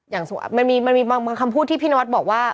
อย่างสมมุติมันมีบางคำพูดที่พินวัฒน์บอกว่า